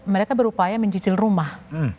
mereka berupaya mencicil rumah